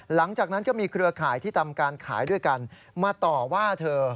หลังจากนั้นก็มีเครือข่ายที่ทำการขายด้วยกันมาต่อว่าเธอ